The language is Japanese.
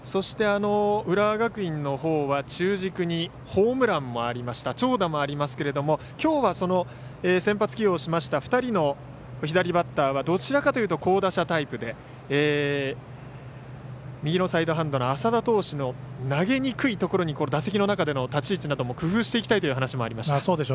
浦和学院のほうは中軸にホームランもありました長打もありますけれどもきょうは先発起用しました２人の左バッターはどちらかというと好打者タイプで右のサイドハンドの麻田投手の投げにくいところで打席の中での立ち位置などでも工夫していきたいという話もありました。